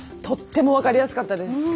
とっても分かりやすかったです。